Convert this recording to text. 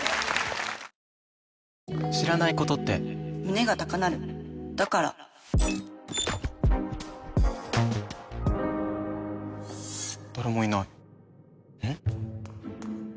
知らないことって胸が高鳴るだから誰もいないん？